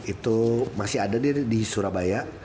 itu masih ada di surabaya